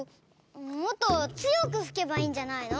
もっとつよくふけばいいんじゃないの？